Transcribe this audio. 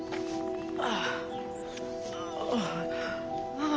ああ。